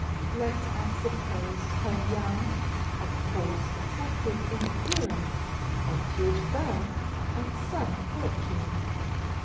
Let us suppose her young, of course, attractive in appearance, of good birth, and some fortune.